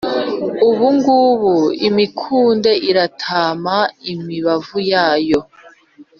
Ubu ngubu imikunde iratama imibavu yayo,